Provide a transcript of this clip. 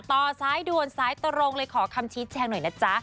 ต่อซ้ายด่วนซ้ายตรงเลยขอคำชี้แจงหน่อยนะจ๊ะ